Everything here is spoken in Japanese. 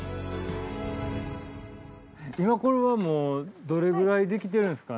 今これはもうどれくらいできてるんですか？